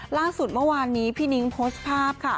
ล่าสุดเมื่อวานนี้พี่นิ้งโพสต์ภาพค่ะ